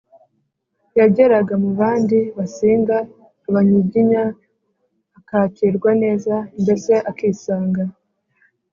yageraga mu bandi Basinga, abanyiginya akakirwa neza, mbese akisanga.